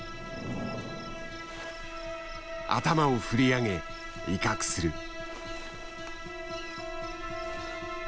頭を振り上げ威嚇する。